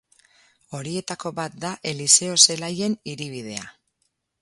Horietako bat da Eliseo Zelaien hiribidea.